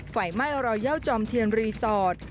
ไฟม่ายรอยย่าวจอมเทียนรีสอร์ต